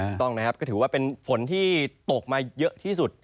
ถูกต้องนะครับก็ถือว่าเป็นฝนที่ตกมาเยอะที่สุด